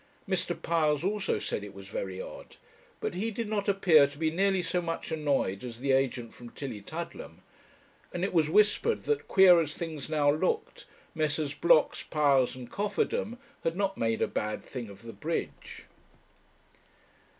Mr. Piles also said it was very odd; but he did not appear to be nearly so much annoyed as the agent from Tillietudlem; and it was whispered that, queer as things now looked, Messrs. Blocks, Piles, and Cofferdam, had not made a bad thing of the bridge.